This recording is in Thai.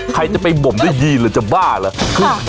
ใครจะไปบ่มด้วยยีนหรอจะบ้าหรอ